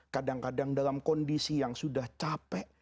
kadang kadang dalam kondisi yang sudah capek